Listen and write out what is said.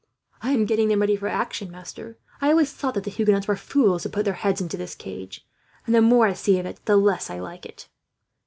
"I am getting them ready for action, master. I always thought that the Huguenots were fools to put their heads into this cage; and the more I see of it, the less I like it."